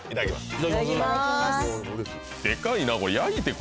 いただきます